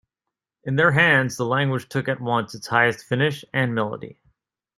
In their hands the language took at once its highest finish and melody.